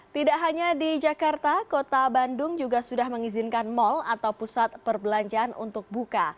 tidak hanya di jakarta kota bandung juga sudah mengizinkan mal atau pusat perbelanjaan untuk buka